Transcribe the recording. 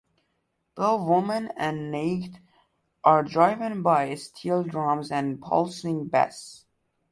Both "Woman" and "Naked" are driven by steel drums and pulsing bass.